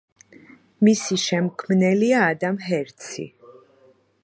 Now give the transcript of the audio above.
მისი შემქმნელია ადამ ჰერცი.